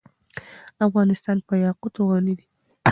افغانستان په یاقوت غني دی.